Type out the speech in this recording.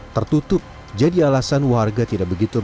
tertutup jadi alasan warga tidak begitu